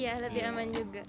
iya lebih aman juga